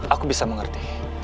aku bisa mengerti